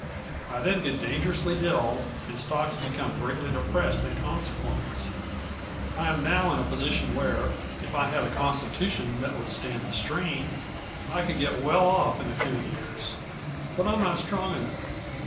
I then get dangerously ill and stocks become greatly depressed in consequence. I am now in a position where, if I had a constitution that would stand the strain, I could get well off in a few years, but I am not strong enough.